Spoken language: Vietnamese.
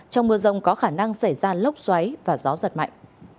trong mưa rông có khả năng xảy ra lốc xoáy và gió giật mạnh